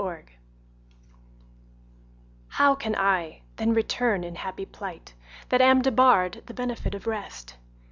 XXVIII How can I then return in happy plight, That am debarre'd the benefit of rest?